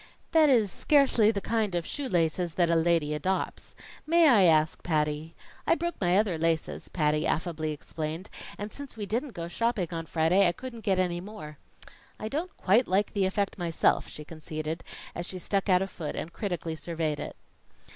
"That is scarcely the kind of shoe laces that a lady adopts. May I ask, Patty ?" "I broke my other laces," Patty affably explained, "and since we didn't go shopping on Friday, I couldn't get any more. I don't quite like the effect myself," she conceded, as she stuck out a foot and critically surveyed it.